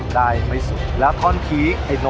จ้าวรอคอย